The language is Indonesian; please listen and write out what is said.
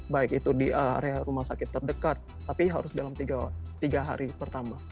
baik itu di area rumah sakit terdekat tapi harus dalam tiga hari pertama